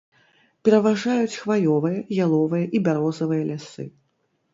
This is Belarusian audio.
Пераважаюць хваёвыя, яловыя і бярозавыя лясы.